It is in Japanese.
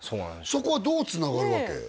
そこはどうつながるわけ？